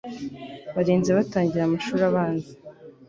barinze batangira amashuri abanza